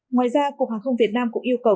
ngoài ra cục hàng không việt nam cũng yêu cầu